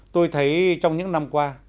tôi thấy trong những năm qua